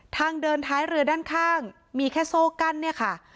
ทางเดินท้ายเรือด้านข้างมีแค่โซ่กั้นเนี่ยค่ะ